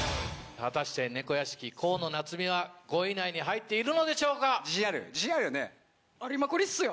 果たしてねこ屋敷・河野菜摘は５位以内に入っているのでしょうか？